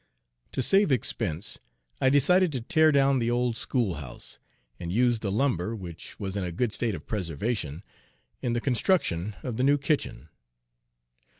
To save expense, I decided to tear down the old schoolhouse, and use the lumber, which was in a good state of preservation, in the construction of the new kitchen.